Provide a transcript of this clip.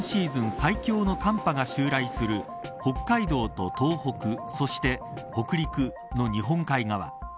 最強の寒波が襲来する北海道と東北、そして北陸の日本海側。